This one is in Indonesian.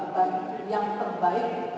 lakukan yang terbaik